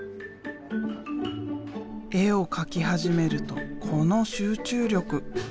絵を描き始めるとこの集中力。